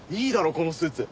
このスーツ。